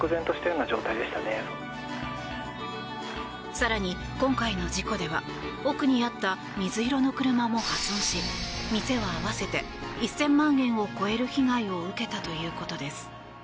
更に今回の事故では奥にあった水色の車も破損し店は合わせて１０００万円を超える被害を受けたということです。